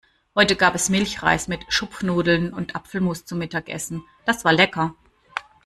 Heute gab es Milchreis mit Schupfnudeln und Apfelmus zum Mittagessen. Das war lecker.